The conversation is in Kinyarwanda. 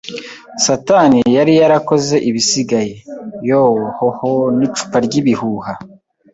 satani yari yarakoze ibisigaye - Yo-ho-ho, n'icupa ry'ibihuha! ”